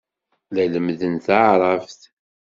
La lemmden taɛṛabt.